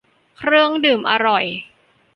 เครื่องดื่มอร่อย